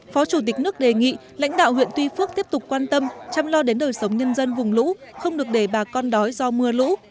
phó chủ tịch nước đề nghị lãnh đạo huyện tuy phước tiếp tục quan tâm chăm lo đến đời sống nhân dân vùng lũ không được để bà con đói do mưa lũ